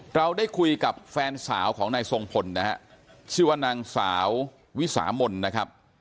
เราได้คุยกับแฟนสาวของนายทรงพลนะฮะชื่อว่านางสาววิสามนนะครับ